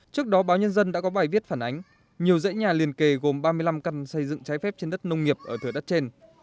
trước đó báo nhân dân đã có bài viết phản ánh nhiều dãy nhà liền kề gồm ba mươi năm căn xây dựng trái phép trên đất nông nghiệp ở thửa đất trên